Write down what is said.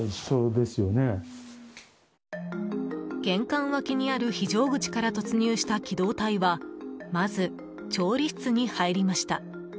玄関脇にある非常口から突入した機動隊はまず、調理室に入りました。